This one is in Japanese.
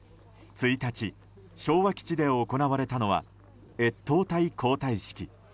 １日、昭和基地で行われたのは越冬隊交代式。